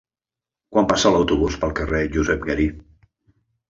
Quan passa l'autobús pel carrer Josep Garí?